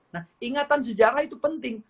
nah ingatan sejarah itu penting